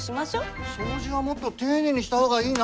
掃除はもっと丁寧にした方がいいな！